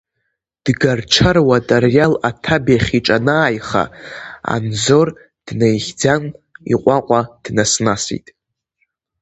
Дгарҽаруа Тариал аҭабиахь иҿанааиха, Анзор днаихьӡан иҟәаҟәа днас-насит.